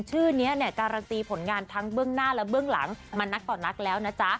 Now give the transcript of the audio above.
ชื่อนี้เนี่ยการันตีผลงานทั้งเบื้องหน้าและเบื้องหลังมานักต่อนักแล้วนะจ๊ะ